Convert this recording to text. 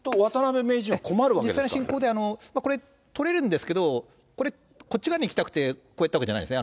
実際に、これ取れるんですけど、これ、こっち側に行きたくてこうやったわけじゃないですね。